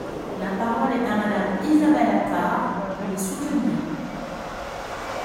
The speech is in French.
La parole est à Madame Isabelle Attard, pour les soutenir.